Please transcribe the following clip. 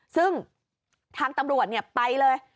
ซึ่งทางตำรวจเนี่ยไปเลย